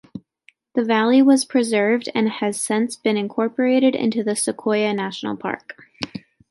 The valley was preserved and has since been incorporated into the Sequoia National Park.